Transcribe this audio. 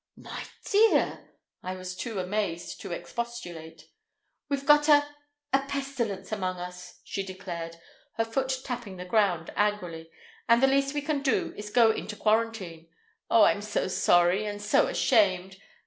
"My dear—!" I was too amazed to expostulate. "We've got a—a pestilence among us," she declared, her foot tapping the ground angrily, "and the least we can do is to go into quarantine. Oh, I'm so sorry and so ashamed!